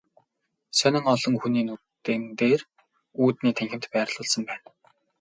Сонин олон хүний нүдэн дээр үүдний танхимд байрлуулсан байна.